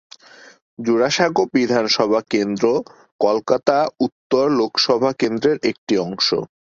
জোড়াসাঁকো বিধানসভা কেন্দ্র কলকাতা উত্তর লোকসভা কেন্দ্রের একটি অংশ।